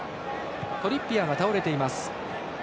トリッピアーが倒れています。